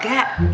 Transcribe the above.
ada rary juga